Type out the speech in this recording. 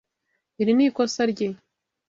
Iri ni ikosa rye.